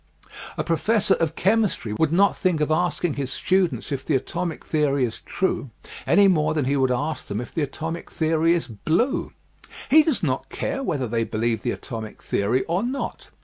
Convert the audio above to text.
A professor of chemistry would not think of asking his students if the atomic theory is true any more than he would ask them if the atotnic theory is blue. He does not care whether they believe the atomic theory or not.